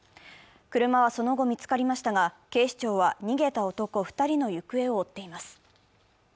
車はその後、見つかりましたが、警視庁は逃げた男２人の行方を追っています。